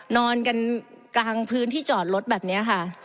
นอนกันกลางพื้นที่จอดรถแบบนี้ค่ะ